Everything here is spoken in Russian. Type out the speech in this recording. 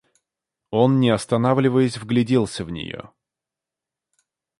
Он, не останавливаясь, вгляделся в нее.